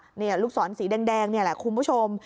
นี่ลูกศรสีแดงนี่แหละคุณผู้ชม